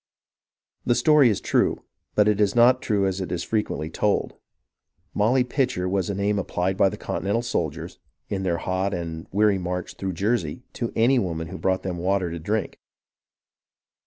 The story is true, but is not true as it is fre quently told. " Molly Pitcher " was a name applied by the Continental soldiers, in their hot and weary march through Jersey, to any woman who brought them water to drink.